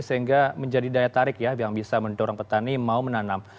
sehingga menjadi daya tarik ya yang bisa mendorong petani mau menanam